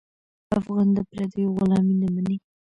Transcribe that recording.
افغان د پردیو غلامي نه مني.